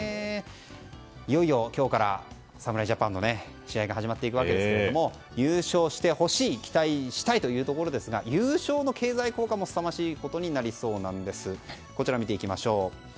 いよいよ今日から侍ジャパンの試合が始まっていくわけですが優勝してほしい期待したいというところですが優勝の経済効果もすさまじいことになりそうなんです。